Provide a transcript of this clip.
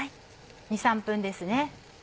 ２３分ですね。